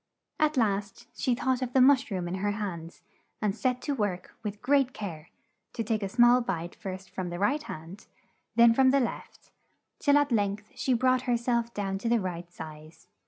At last, she thought of the mush room in her hands, and set to work with great care, to take a small bite first from the right hand, then from the left, till at length she brought her self down to the right size.